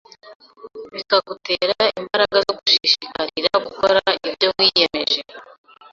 bikagutera imbaraga zo gushishikarira gukora ibyo wiyemeje